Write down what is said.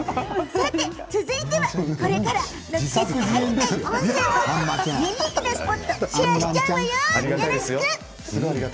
続いてはこれからの季節に入りたい温泉ユニークなスポットをシェアしちゃうわよ！